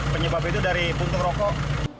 penyebab itu dari puntung rokok